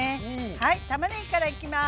はいたまねぎからいきます。